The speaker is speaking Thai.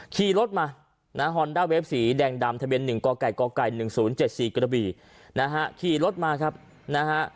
ขี่รถมานะฮะฮอนด้าเวฟสีแดงดำทะเบียน๑กไก่กไก่๑๐๗๔กระบี่นะฮะขี่รถมาครับนะฮะ